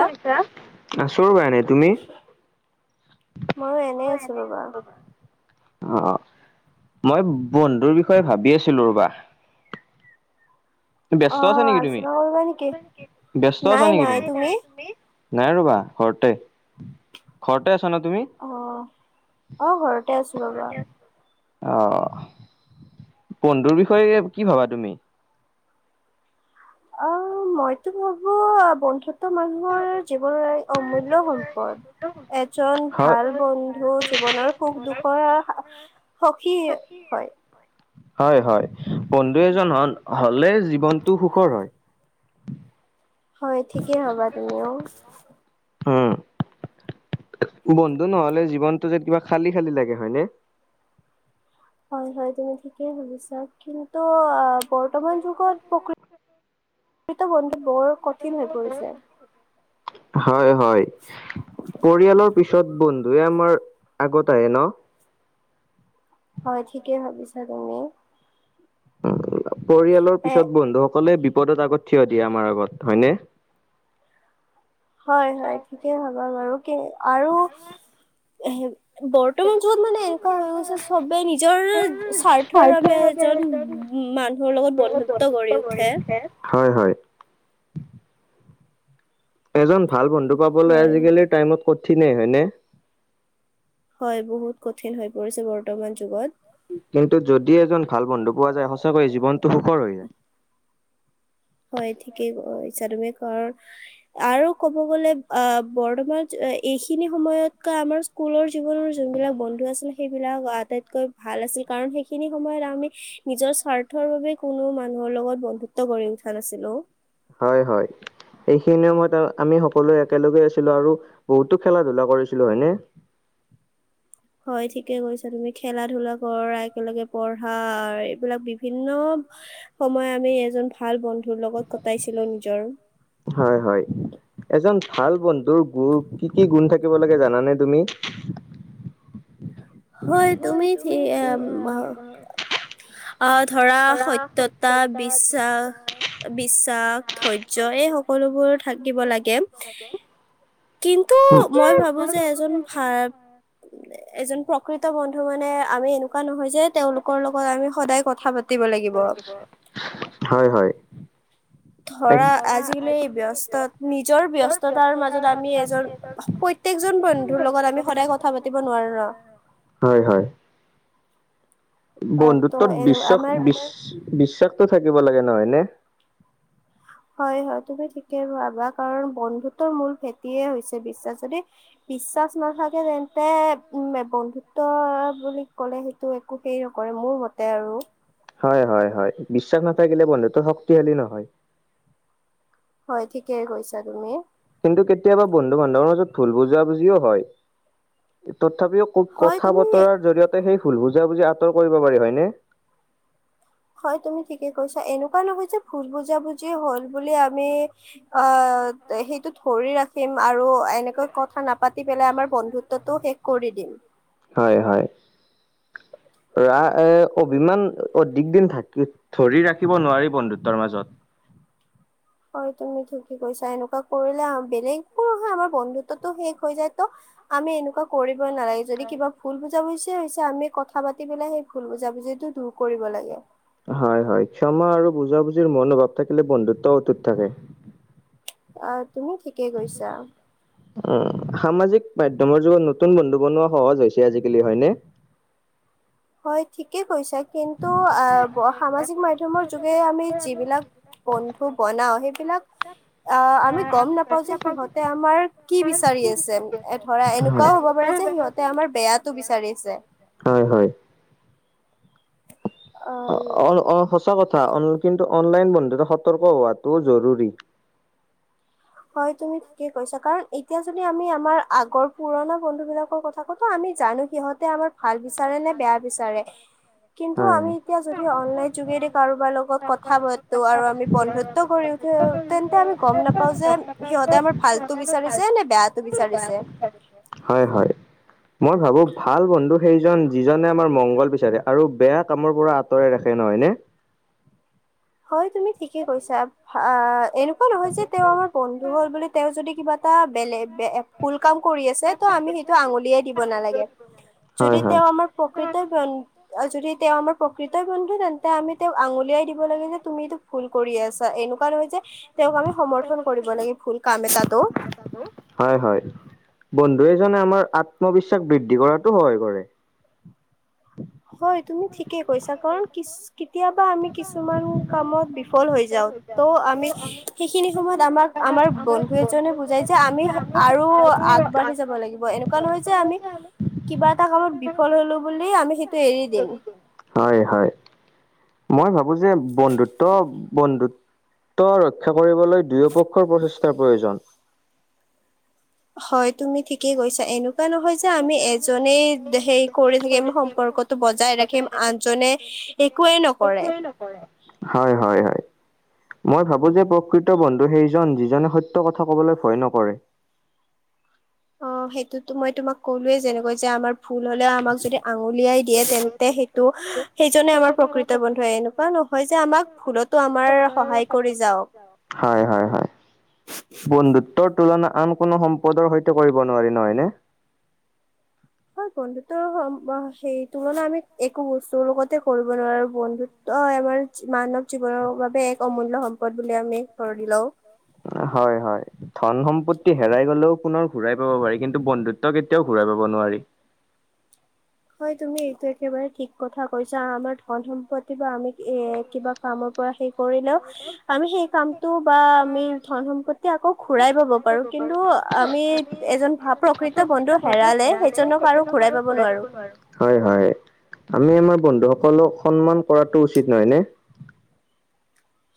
কৰিছা আছো [unintelligible] এনে তুমি অ মই বন্ধুৰ বিষয়ে ভাবি আছিলো ৰবা ব্যস্ত আছা নেকি তুমি ব্যস্ত আছা নেকি তুমি নাই নাই তুমি নাই ৰবা ঘৰতে ঘৰতে অ অ ঘৰতে আছো ৰবা অ বন্ধুৰ বিষয়ে কি ভাবা তুমি অ মইতো ভাবো বন্ধুত্ব মানুহৰ ৰু অমূল্য সম্পদ এজন ভাল বন্ধু জীৱনৰ সুখ দুখৰ সখী হয় হয় হয় বন্ধু এজন হলে জীৱনটো সুখৰ হয় হয় ঠিকেই হবা [inaudible] বন্ধু নহ'লে জীৱনতটো যে কিবা খালী খালী লাগে হয়নে হয় হয় তেনে ঠিকেই ভাবিছা কিন্তু বৰ্তমান যুগত প্ৰকৃত প্ৰকৃত বন্ধু বৰ কঠিন হৈ পৰিছে হয় হয় পৰিয়ালৰ পিছত বন্ধুৱে আমাৰ আগত আহে ন হয় ঠিকেই ভাবিছা তুমি অ পৰিয়ালৰ পিছত বন্ধুসকলে বিপদত আগত থিয় দিয়া আমাৰ আগত হয়নে হয় হয় ঠিকে হবা বাৰু [unintelligible] আৰু হে বৰ্তমান যুগত মানে এনেকুৱা হৈ গৈছে চবে নিজৰ স্বাৰ্থৰ বাবে এজন মানুহৰ লগত বন্ধুত্ব গঢ়ি উঠে হয় হয় এজন ভাল বন্ধু পাবলৈ আজিকালিৰ টাইমত কঠিনে হয়নে হয় বহুত কঠিন হৈ পৰিছে বৰ্তমান যুগত [unintelligible] হয় ঠিকেই অ । পিছে তুমি কৰ আৰু কব গলে আহ বৰ্তমান এইখিনি সময়তকৈ আমাৰ স্কুলৰ জীৱনৰ যোনবিলাক বন্ধু আছিল সেইবিলাক আটাইতকৈ ভাল আছিল কাৰণ সেইখিনি সময়ত আমি নিজৰ । স্বাৰ্থৰ বাবে কোনো মানুহৰ লগত বন্ধুত্ব গঢ়ি উঠ । ভাল আছিলো। হয় হয় এইখিনি সময়ত আমি সকলোৱে একেলগে আছিলো আৰু বহুতো খেলা ধূলা কৰিছিলো হয়নে । হয় ঠিকে কৈছা তুমি খেলা ধূলা কৰা একেলগে পঢ়া এইবিলাক বিভিন্ন সময় আমি এজন ভাল বন্ধু। ন্ধুৰ লগত কটাইছিলো নিজৰ ভাল বন্ধুৰ গু কি কি গুণ থাকিব লাগে জানানে তুমি । হয় তুমি ঠি এম ভা আ ধৰা । সত্যতা বিশ । আ বিশ্বাস ধৈৰ্য্য এই সকলোবোৰ থাকিব লাগে কিন্তু মই ভাবো যে এজন ভা এজন প্ৰক । প্ৰকৃত বন্ধু মানে আমি এনুকা নহয় যে তেওলোকৰ লগত আমি সদায় কথা পাতিব লাগিব হয় হয় । ধৰা আজিকালি ব্যস্ত । নিজৰ ব্যস্ততাৰ মাজত আমি এজন প্ৰত্যেকজন বন্ধুৰ লগত আমি সদায় কথা পাতিব নোৱাৰো ন বন্ধুত্বত বিশ্বাস বিশ বিশ্বাস থাকিব লাগে নহয় নে হয় হয় তুমি ঠিকেই ভাবা কাৰণ বন্ধুত্বৰ মূল ভেটিয়ে হৈছে বিশ্বাস যদি বিশ্বাচ নাথাকে তেন্তে উম বন্ধুত্ব বুলি কলে সেইটো একো হেই নকৰে মোৰ মতে আৰু হয় হয় হয় বিশ্বাস নাথাকিলে বন্ধুত্ব শক্তিশালী নহয় হয় ঠিকে কৈছা তুমি কিন্তু কেতিয়াবা বন্ধু বান্ধৱৰ মাজত ভুল বুজাবুজিও হয় এটোত তথাপিও কথা বতৰাৰ জৰিয়তে সেই ভুল বুজাবুজি আঁতৰ কৰিব পাৰি হয়নে হয় তুমি ঠিকে কৈছা এনেকুৱা নহয় যে ভুল বুজ বুজি হল বুলি আমি আ সেইটো ধৰি ৰাখিম আৰু এনেকৈ কথা নাপাতি পেলাই আমাৰ বন্ধুত্বটো শেষ কৰি দিম হয় হয় ৰা এ অভিমান অধিক দিন থাকি ধৰি ৰাখিব নোৱাৰি বন্ধুত্বৰ মাজত হয় তুমি কি কৈছা এনেকুৱা কৰিলে বেলেগ নহয় আমাৰ বন্ধুত্বো শেষ হৈ যায় ত আমি এনেকুৱা কৰিম নালাগে যদি কিবা ভুল বুজা হৈছে আমি কথা পাতি পেলাই সেই ভুল বুজাবুজিটো দূৰ কৰিব লাগে হয় হয় ক্ষমা আৰু বুজাবুজিৰ মনোভাৱ থাকিলে বন্ধুত্ব অতুট থাকে আহ তুমি ঠিকে কৈছা অ সামাজিক মাধ্যমৰ যুগত নতুন বন্ধু বনোৱা সহজ হৈছে আজিকালি হয়নে হয় ঠিকে কৈছা কিন্তু অহ সামাজিক মাধ্যমৰ যোগে আমি যিবিলাক বন্ধু খু বনাও সেইবিলাক অঁহ আমি গম নাপাও যে সিহঁতে আমাৰ কি বিচাৰি আছে, ধৰা এনেকুৱাও হব পাৰে যে সিহঁতে আমাৰ বেয়াটো বিচাৰিছে। অ-অ সঁচা কথা কিন্তু অনলাইন বন্ধুত সতৰ্ক হোৱাটো জৰুৰী। হয় তুমি ঠিকে কৈছা কাৰণ এতিয়া যদি, আমি আমাৰ আগৰ পুৰণা বন্ধু বিলাকৰ কথা কতো আমি জানো সিহঁতে আমাৰ ভাল বিচাৰে নে বেয়া বিচাৰে কিন্তু আমি এতিয়া যদি অনলাইন যোগেদি কাৰোবাৰ লগত কথা পাতো আৰু আমি বন্ধুত্ব কৰি উঠো। তেন্তে আমি গম নাপাওঁ যে সিহঁতে আমাৰ ভালতটো বিচাৰিছে নে বেয়াতটো বিচাৰিছে? হয়-হয়। মই ভাবো ভাল বন্ধু সেইজন যিজনে আমাৰ মংগল বিচাৰে আৰু বেয়া কামৰ পৰা আঁতৰাই ৰাখে নহয় নে। হয় তুমি ঠিকে কৈছা। এনেকুৱা নহয় যে তেওঁ আমাৰ বন্ধু হল বুলি তেওঁ যদি কিবা এটা বেলেগ বে ভুল কাম কৰি আছে ত' আমি সেইটো আঙুলিয়াই দিব নালাগে যদি তেওঁ আমাৰ প্ৰকৃতি যদি তেওঁ আমাৰ প্ৰকৃতৰ বন্ধু তেন্তে আমি তেওঁক আঙুলিয়াই দিব লাগে যে। তুমিটো ভুল কৰি আছা, এনেকুৱা নহয় যে তেওঁক আমি সমাৰ্থন কৰিব লাগে ভুল কাম এটাটো। বন্ধু এজনে আমাৰ আত্মবিশ্বাস বৃদ্ধি কৰাতো সহায় কৰে। হয় তুমি ঠিকেই কৈছা কাৰণ কি কেতিয়াবা আমি কিছুমান কামত বিফল হৈ যাও। ত আমি সেইখিনি সময়ত আমাক আমাৰ বন্ধু এজনে বুজাই যে আমি আৰু আগবাঢ়ি যাব লাগিব এনেকুৱা নহয় যে, আমি কিবা এটা কামত বিফল হলো বুলি আমি ত এৰি দিম। মই ভাবো যে বন্ধুত্ব-বন্ধুত্ব ৰক্ষা কৰিবলৈ, দুয়োপক্ষ প্ৰচেষ্টাৰ প্ৰয়োজন। হয় তুমি ঠিকেই কৈছা, এনো এনে কোৱা হৈছে আমি এজনেই হে কৰি থাকিম সম্পৰ্কটো বজাই ৰাখিম আনজনে একোয়েই নকৰে। হয়-হয়-হয়, মই ভাবো যে প্ৰকৃত বন্ধু সেইজন যিজনে সত্য কথা কবলৈ ভয় নকৰে। অ সেইটোতো মই তোমাক কলোয়ে যেনেকৈ যে আমাৰ ভুল হ'লে আমাক যদি আঙুলিয়াই দিয়ে তেন্তে সেইটো সেইজনে আমাৰ প্ৰকৃত বন্ধু এনেকুৱা নহয় যে আমাক ভুলতো আমাৰ সহায় কৰি যাওক। তুলনা আন কোনো সম্পদৰ সৈতে কৰিব নোৱাৰি নহয়নে? হয় বন্ধুত্বৰ সেই তুলনাত আমি একো বস্তুৰ লগতে কৰিব নোৱাৰো। বন্ধুত্ব আমাৰ মানৱ জীৱন বাবে এক অমূল জীৱন সম্পদ বুলি আমি ধৰি লও। হয়-হয় ধন সম্পত্তি হেৰাই গলেও পুনৰ ঘূৰাই পাব পাৰি কিন্তু বন্ধুত্ব কেতিয়াও ঘূৰাই পাব নোৱাৰি। হয় তুমি এইটো একেবাৰে ঠিক কথা কৈছা, আমাৰ ধন সম্পত্তি বা আমি এ কিবা কামৰ পৰা সেই কৰিলেও আমি সেই কামটো বা আমি ধন সম্পত্তি আকৌ ঘুৰাই পাব পাৰো কিন্তু আমি এজন ভাল প্ৰকৃত বন্ধু হেৰালে সেইজনক আৰু ঘূৰাই পাব নোৱাৰো। হয়-হয় আমি আমাৰ বন্ধুসকলক সন্মান কৰাটো উচিত নহয় নে?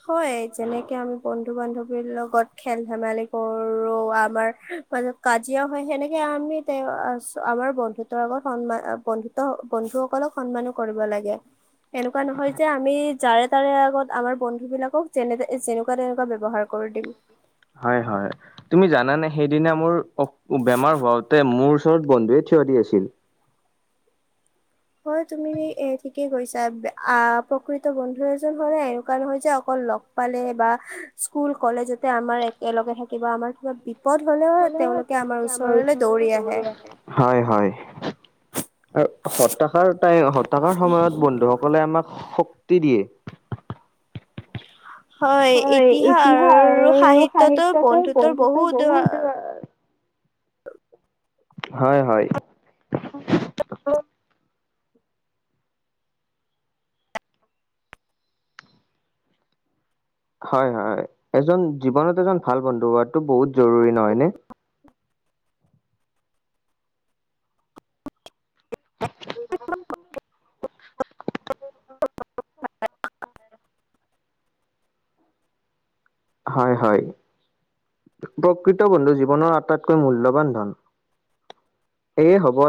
হয় যেনেকে আমি বন্ধু-বান্ধৱীৰ লগত খেল ধেমালি কৰো আমাৰ কাজিয়া হয় সেনেকে আমি আমাৰ বন্ধুত্বৰ আগত সন্মান বন্ধুত্ব বন্ধুসকলক সন্মাননো কৰিব লাগে। এনেকুৱা নহয় যে আমি যাৰে-তাৰে আগত আমাৰ, হয় হয় তুমি জানানে সেইদিনা মোৰ বেমাৰ হওঁতে মোৰ ওচৰত বন্ধুৱে থিয় দি আছিল হয় তুমি এ ঠিকেই কৈছা প্ৰকৃত বন্ধু এজন হ'লে এনে কাৰণ হয় যে অকল লগ পালে বা স্কুল কলেজতে আমাৰ একেলগে থাকিব আমাৰ কিবা বেমাৰৰ হ'লেও তেওঁলোকে আমাৰ ওচৰলৈ দৌৰি আহে হয় হয় আৰু হতাশাৰ তাই হত্তাশাৰ সময়ত বন্ধুসকলে আমাক দি দিয়ে হয় ইতিহাৰ সাহিত্যৰ বন্ধুত্ব বহুত দূৰ হয় হয় হয় হয় হয় এজন জীৱনত এজন ভাল বন্ধু হোৱাটো বহুত জৰুৰী নহয়নে চ হে হয় হয় প্ৰকৃত বন্ধু জীৱনৰ আটাইতকৈ মূল্যবান ধন এয়ে হ'ব